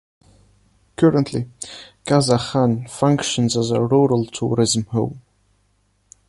Currently, Casa Jan functions as a rural tourism home.